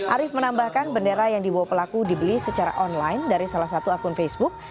arief menambahkan bendera yang dibawa pelaku dibeli secara online dari salah satu akun facebook